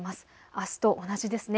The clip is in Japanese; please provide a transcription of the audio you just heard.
あすと同じですね。